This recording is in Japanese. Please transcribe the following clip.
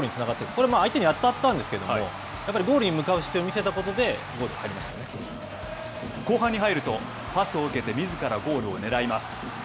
これ、相手に当たったんですけれども、やっぱりゴールに向かう姿勢を見せたことでゴールに入りま後半に入ると、パスを受けて、みずからゴールをねらいます。